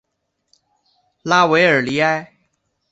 拉韦尔里埃。